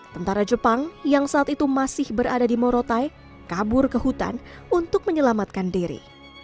tentara jepang yang saat itu masih berada di morotai kabur ke hutan untuk menyelamatkan diri